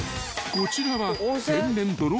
［こちらは］